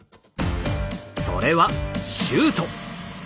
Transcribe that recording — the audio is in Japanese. それはシュート！